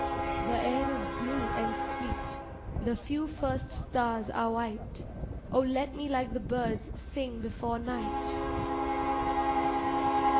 The air is blue and sweet, The few first stars are white, Oh let me like the birds Sing before night.